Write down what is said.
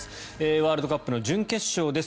ワールドカップの準決勝です。